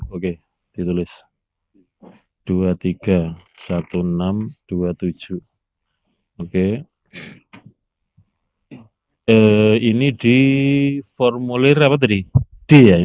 dua ratus tiga puluh satu ribu enam ratus dua puluh tujuh oke ditulis dua ratus tiga puluh satu ribu enam ratus dua puluh tujuh oke eh ini diformulir apa tadi di ya ini ya zineed